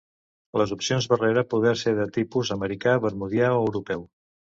Les opcions barrera poder ser de tipus Americà, Bermudià o Europeu.